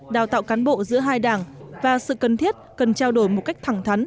đào tạo cán bộ giữa hai đảng và sự cần thiết cần trao đổi một cách thẳng thắn